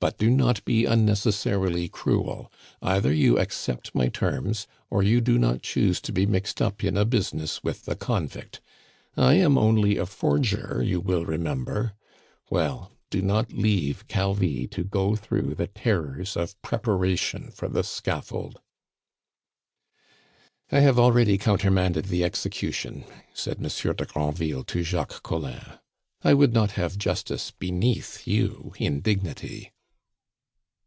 "But do not be unnecessarily cruel. Either you accept my terms or you do not choose to be mixed up in a business with a convict. I am only a forger, you will remember! Well, do not leave Calvi to go through the terrors of preparation for the scaffold." "I have already countermanded the execution," said Monsieur de Granville to Jacques Collin. "I would not have Justice beneath you in dignity."